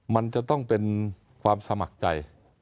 มันจะต้องเป็นความสมัครใจ